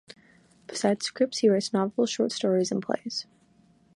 Besides scripts, he writes novels, short stories and plays.